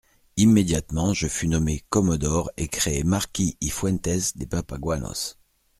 Immédiatement je fus nommé commodore et créé marquis y Fuentès de Papaguanos.